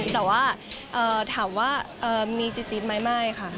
แต่ว่าถามว่ามีจิ๊บไหมไม่ค่ะ